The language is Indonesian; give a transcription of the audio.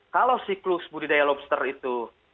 kalau siklus budidaya lobster itu